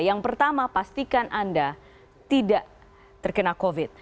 yang pertama pastikan anda tidak terkena covid